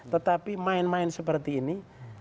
tetapi main main seperti ini